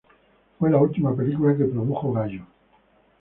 Fue la última película que produjo Gallo